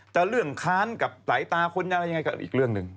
แต่เรื่องค้านกับสายตาคนอะไรยังไงก็อีกเรื่องหนึ่ง